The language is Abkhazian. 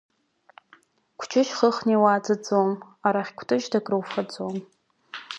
Кәҷышь хыхны иуааӡаӡом, арахь кәтыжьда акруфаӡом.